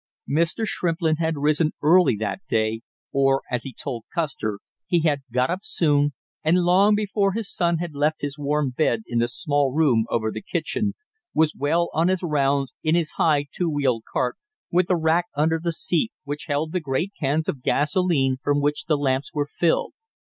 [Illustration: "I started to tell you how I put Murphy out of business."] Mr. Shrimplin had risen early that day, or, as he told Custer, he had "got up soon", and long before his son had left his warm bed in the small room over the kitchen, was well on his rounds in his high two wheeled cart, with the rack under the seat which held the great cans of gasolene from which the lamps were filled.